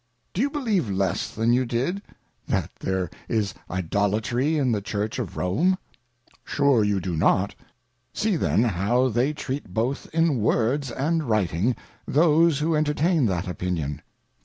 Do you believe less than you did, that there is Idolatry in the Church of Rome ? Sure you do not. See then, how they treat both in Words and Writing, those who entertain that Opinion.